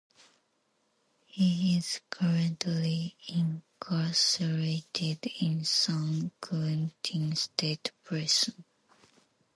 He is currently incarcerated in San Quentin State Prison.